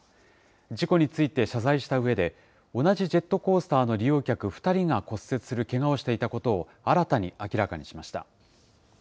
事故について謝罪したうえで、同じジェットコースターの利用客２人が骨折するけがをしていたことを、新たに明らかにしました。